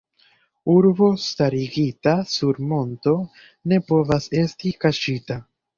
Urbo starigita sur monto ne povas esti kaŝita.